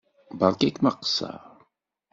Beṛka-kem aqeṣṣeṛ.